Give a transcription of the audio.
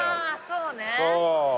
そう。